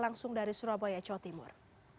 langsung dari surabaya jawa timur